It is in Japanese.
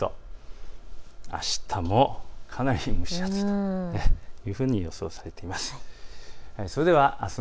あしたもかなり蒸し暑いというふうに予想されています。